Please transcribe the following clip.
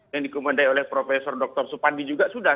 yang dikomandai oleh prof dr supandi juga sudah